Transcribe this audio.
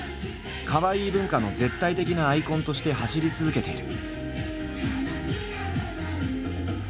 「ＫＡＷＡＩＩ文化」の絶対的なアイコンとして走り続けている。